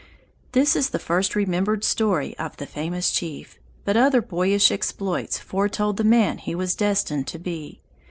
This is the first remembered story of the famous chief, but other boyish exploits foretold the man he was destined to be.